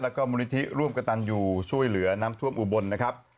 แล้วก็มูลนิธิร่วมกระตันอยู่ช่วยเหลือน้ำท่วมอุบลนะครับ